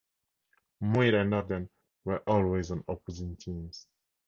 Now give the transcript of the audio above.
Muir and Norden were always on opposing teams.